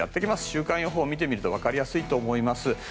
週間予報を見てみると分かりやすいと思います。